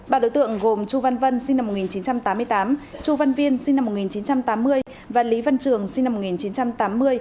bà đối tượng gồm chu văn vân sinh năm một nghìn chín trăm tám mươi tám chu văn viên sinh năm một nghìn chín trăm tám mươi và lý văn trường sinh năm một nghìn chín trăm tám mươi